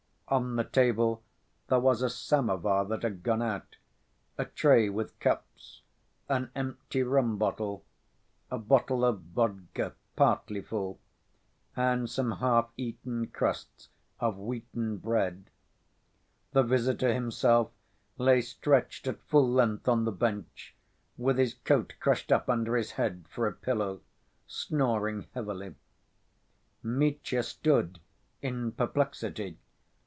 On the table there was a samovar that had gone out, a tray with cups, an empty rum bottle, a bottle of vodka partly full, and some half‐eaten crusts of wheaten bread. The visitor himself lay stretched at full length on the bench, with his coat crushed up under his head for a pillow, snoring heavily. Mitya stood in perplexity.